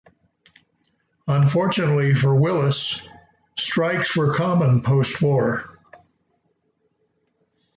Unfortunately for Willys, strikes were common postwar.